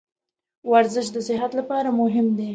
ورزش د صحت لپاره مهم دی.